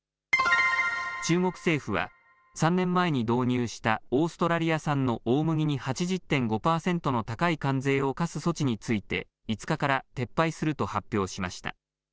中国政府は、３年前に導入したオーストラリア産の大麦に８０．５％の高い関税を課す措置について、５日から撤廃すると発表しました。